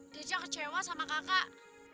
dija kecewa sama kakak